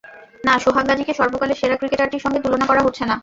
না, সোহাগ গাজীকে সর্বকালের সেরা ক্রিকেটারটির সঙ্গে তুলনা করা হচ্ছে না।